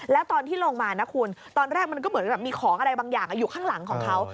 แล้วตอนที่ลงมานะคุณตอนแรกมันก็เหมือนแบบมีของอะไรบางอย่างอยู่ข้างหลังของเขา